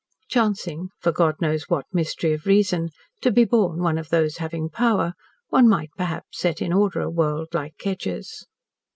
Chancing for God knows what mystery of reason to be born one of those having power, one might perhaps set in order a world like Kedgers'.